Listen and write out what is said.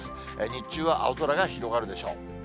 日中は青空が広がるでしょう。